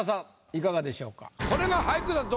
いかがでしょうか？